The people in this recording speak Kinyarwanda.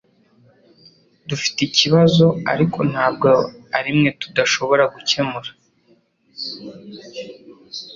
Dufite ikibazo, ariko ntabwo arimwe tudashobora gukemura.